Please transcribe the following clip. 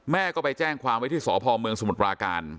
แม่ก็ไปแจ้งความไว้ที่สพเมืองสมุทรปราการ